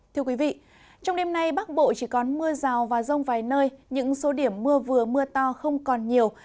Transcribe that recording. thưa quý vị trong đêm nay bắc bộ chỉ còn mưa rào và rông vài nơi những số điểm mưa vừa mưa to không còn nhiều